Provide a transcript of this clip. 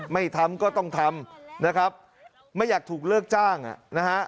ไม่ทำก็ต้องทำนะครับไม่อยากถูกเลิกจ้างนะฮะ